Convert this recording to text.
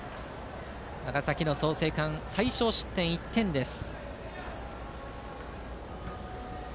長崎の創成館最少失点の１点です。